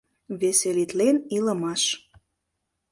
Веселитлен илымаш.